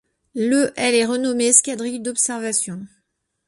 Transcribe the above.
Le elle est renommée escadrille d'observation.